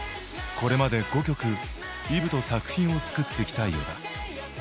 これまで５曲Ｅｖｅと作品を作ってきた依田。